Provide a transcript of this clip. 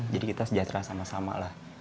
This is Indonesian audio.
kita sejahtera sama sama lah